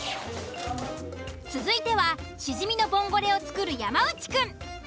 続いてはシジミのボンゴレを作る山内くん。